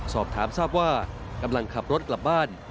สอบถามทราบว่ากำลังขับรถกลับบ้าน